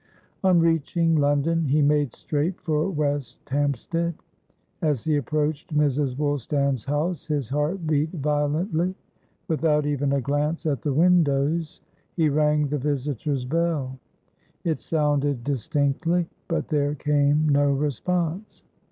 On reaching London, he made straight for West Hampstead. As he approached Mrs. Woolstan's house, his heart beat violently. Without even a glance at the windows, he rang the visitor's bell. It sounded distinctly, but there came no response.